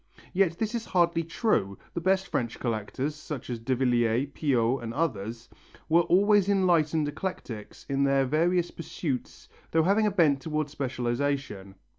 Yet this is hardly true, the best French collectors, such as Davilliers, Piot and others, were always enlightened eclectics in their various pursuits though having a bent towards specialization.